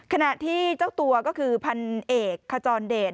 ขณะที่เจ้าตัวก็คือพันเอกขจรเดช